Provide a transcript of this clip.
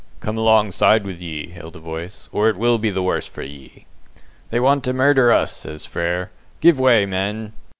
"Come alongside with ye!" hailed a voice, "or it will be the worse for ye!" "They want to murder us," says Frere. "Give way, men!"